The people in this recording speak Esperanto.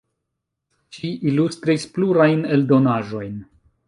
Ŝi ilustris plurajn eldonaĵojn.